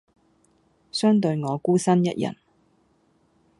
相對我孤身一人